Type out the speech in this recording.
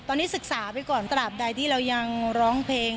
ตอนนี้ศึกษาไปก่อนตราบใดที่เรายังร้องเพลง